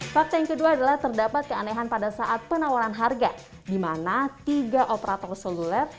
faksanya kedua adalah terdapat keanehan pada saat penawaran harga dimana tiga operator seluler